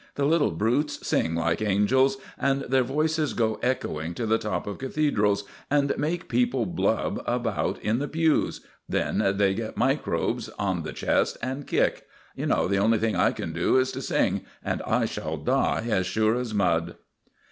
The little brutes sing like angels, and their voices go echoing to the top of cathedrals, and make people blub about in the pews. Then they get microbes on the chest, and kick. You know the only thing I can do is to sing; and I shall die as sure as mud."